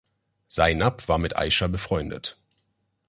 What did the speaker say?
Zainab war mit Aischa befreundet.